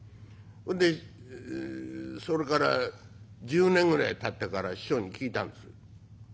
それでそれから１０年ぐらいたってから師匠に聞いたんです。